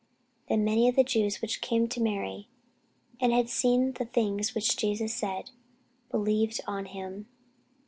Then many of the Jews which came to Mary, and had seen the things which Jesus did, believed on him.